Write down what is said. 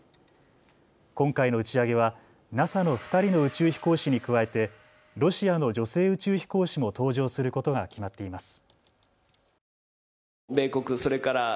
今回の打ち上げはＮＡＳＡの２人の宇宙飛行士に加えてロシアの女性宇宙飛行士も搭乗することが決まっています。